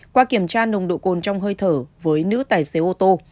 qua kiểm tra nồng độ cồn trong hơi thở với nữ tài xế ô tô